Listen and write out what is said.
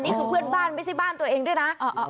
นี่คือเพื่อนบ้านไม่ใช่บ้านตัวเองด้วยนะ